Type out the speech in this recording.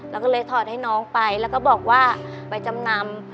แล้วก็เลยถอดให้น้องไปแล้วก็บอกว่าไปจำนำ